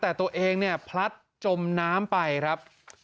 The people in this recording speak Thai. แต่ตัวเองเนี่ยพลัดจมน้ำไปครับ